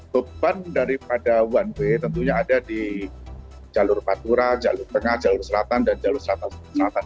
beban daripada one way tentunya ada di jalur pantura jalur tengah jalur selatan dan jalur selatan selatan